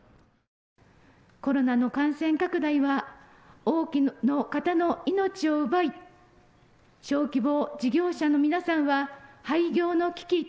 コロナの感染拡大は多くの方の命を奪い、小規模事業者の皆さんは廃業の危機。